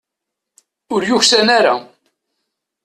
Ur yuksan ara.